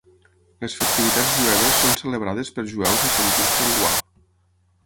Les festivitats jueves són celebrades per jueus i gentils per igual.